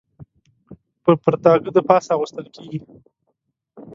پر پرتاګه د پاسه اغوستل کېږي.